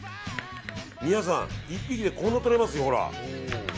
皆さん、１匹でこんな取れますよ。